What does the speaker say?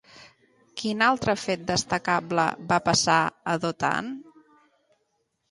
Quin altre fet destacable va passar a Dotan?